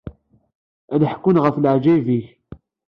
Ad ḥekkun ɣef leɛǧayeb-ik.